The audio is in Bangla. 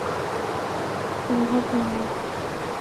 মেসোমশায়ের ছেলে রেঙ্গুনে ব্যারিস্টারি করে, তার জন্যে কোনে ভাবনা নেই।